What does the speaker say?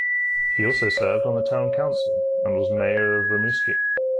He also served on the town council and was mayor of Rimouski.